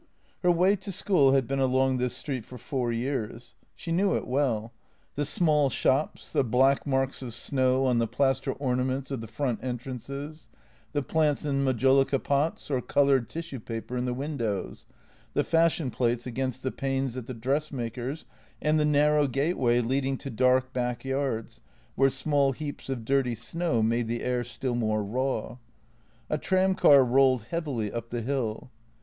Her way to school had been along this street for four years. She knew it well — the smell shops, the black marks of snow on the plaster ornaments of the front entrances, the plants in majolica pots or coloured tissue paper in the windows, the fashion plates against the panes at the dressmaker's, and the narrow gateway leading to dark back yards, where small heaps of dirty snow made the air still more raw. A tramcar rolled heavily up the hill.